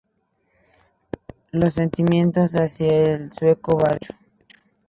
Los sentimientos hacia el sueco varían mucho.